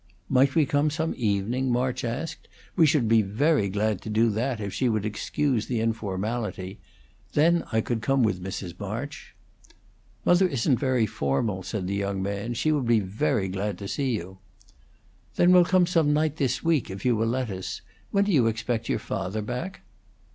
"Might we come some evening?" March asked. "We should be very glad to do that, if she would excuse the informality. Then I could come with Mrs. March." "Mother isn't very formal," said the young man. "She would be very glad to see you." "Then we'll come some night this week, if you will let us. When do you expect your father back?"